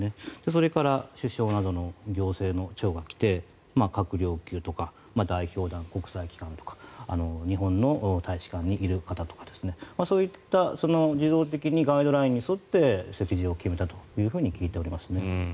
それから首相などの行政の長が来て閣僚級とか代表団、国際機関とか日本の大使館にいる方とか。そういった自動的にガイドラインに沿って席次を決めたと聞いておりますね。